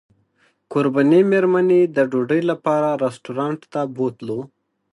کوربنې مېرمنې د ډوډۍ لپاره رسټورانټ ته بوتلو.